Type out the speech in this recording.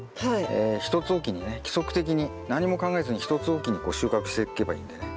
え１つ置きにね規則的に何も考えずに１つ置きにこう収穫していけばいいんでね。